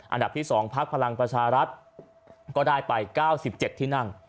อันดับที่๒พักพลังประชารัฐก็ได้ไป๙๗ที่นั่ง